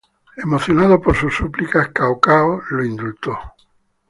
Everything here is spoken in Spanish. Emocionado por sus súplicas, Cao Cao lo indultó.